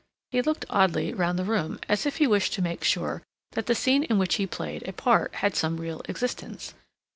He looked oddly round the room as if he wished to make sure that the scene in which he played a part had some real existence.